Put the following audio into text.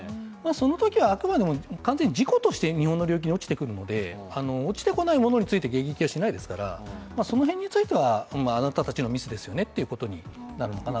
そのときはあくまでも完全に事故として日本の領域に落ちてきますので、落ちてこないものには迎撃はしないですから、その辺についてはあなたたちのミスですよねということになるのかなと。